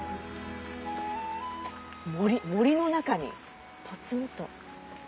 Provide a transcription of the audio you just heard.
森の中にポツンと。